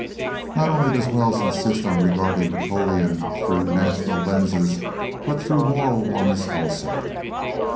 Not only does Wells insist on regarding Napoleon through national lenses but through moral ones also.